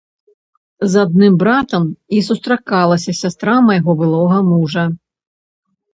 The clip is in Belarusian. З адным братам і сустракалася сястра майго былога мужа.